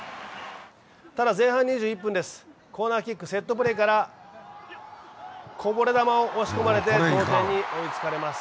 ただ前半２１分、コーナーキック、セットプレーからこぼれ球を押し込まれて同点に追いつかれます。